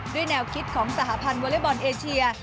แนวคิดของสหพันธ์วอเล็กบอลเอเชีย